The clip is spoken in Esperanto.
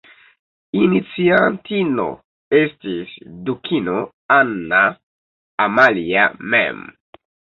Iniciantino estis dukino Anna Amalia mem.